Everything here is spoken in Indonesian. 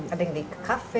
ada yang di cafe